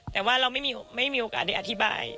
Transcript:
แต่ว่าเราไม่มีโอกาสได้อธิบาย